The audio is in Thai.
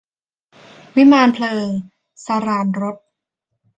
วิมานเพลิง - สราญรส